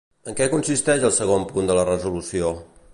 En què consisteix el segon punt de la resolució?